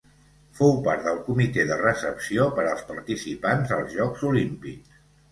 Fou part del comitè de recepció per als participants als Jocs Olímpics.